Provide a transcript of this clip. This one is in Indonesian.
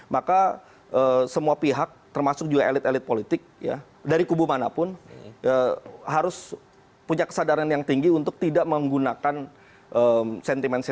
maka semua pihak termasuk juga elit elit politik dari kubu manapun harus punya kesadaran yang tinggi untuk tidak menggunakan sentimen sentimen